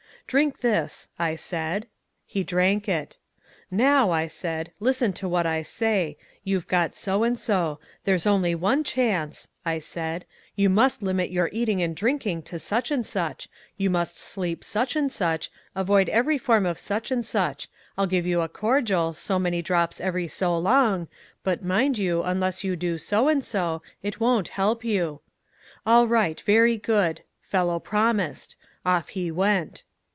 'Drink this,' I said. He drank it. 'Now,' I said, 'listen to what I say: You've got so and so. There's only one chance,' I said, 'you must limit your eating and drinking to such and such, you must sleep such and such, avoid every form of such and such I'll give you a cordial, so many drops every so long, but mind you, unless you do so and so, it won't help you.' 'All right, very good.' Fellow promised. Off he went."